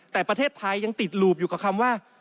แต่ประเทศไทยยังติดหลูบอยู่กับคำว่า